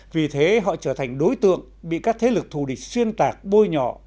vì thế họ trở thành đối tượng bị các thế lực thù địch xuyên tạc bôi nhọ